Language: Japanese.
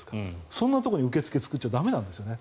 そんなところに受け付けを作っちゃ駄目なんですね。